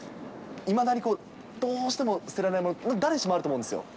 いまだに、どうしても捨てられない物、誰しもあると思うんですよね。